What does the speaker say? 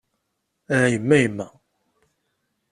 A yemma yemma!